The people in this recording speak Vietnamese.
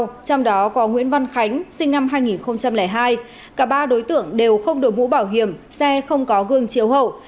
trong đó có nguyễn văn khánh sinh năm hai nghìn hai cả ba đối tượng đều không đổi mũ bảo hiểm xe không có gương chiếu hậu